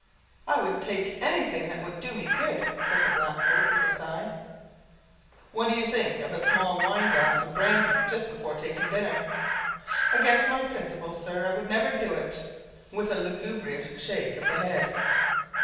"I would take anything that would do me good," said black coat with a sigh. "What think you of a small wine glass of brandy just before taking dinner?" "Against my principles, Sir; it would never do," with a lugubrious shake of the head.